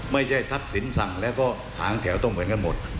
ทักษิณสั่งแล้วก็หางแถวต้องเหมือนกันหมด